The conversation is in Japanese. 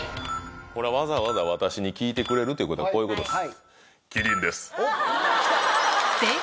これわざわざ私に聞いてくれるということはこういうことです。